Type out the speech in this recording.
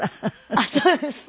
あっそうですね。